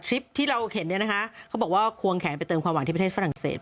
คลิปที่เราเห็นเนี่ยนะคะเขาบอกว่าควงแขนไปเติมความหวังที่ประเทศฝรั่งเศส